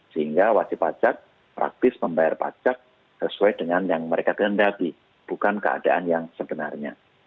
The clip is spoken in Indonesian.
sehingga wajib pajak praktis membayar pajak sesuai dengan yang mereka kehendaki bukan keadaan yang sebenarnya